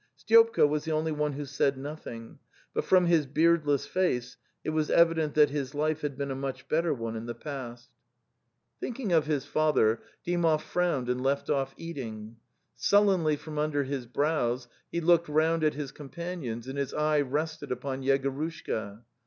Sty opka was the only one who said nothing, but from his beardless face it was evident that his life had been a much better one in the past. The Steppe 241 Thinking of his father, Dymov frowned and left off eating. Sullenly from under his brows he looked round at his companions and his eye rested upon Yegorushka.